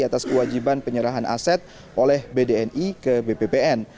atas kewajiban penyerahan aset oleh bdni ke bppn